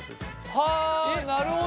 はあなるほど。